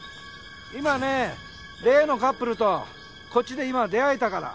今ね例のカップルとこっちで今出会えたから。